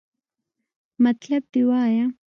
مطلب دې وایا!